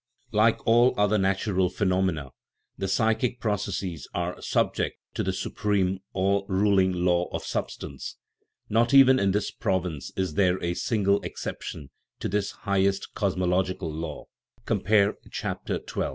Like all other natural phenomena, the psychic proc esses are subject to the supreme, all ruling law of sub stance ; not even in this province is there a single ex ception to this highest cosmological law (compare chap, xii.).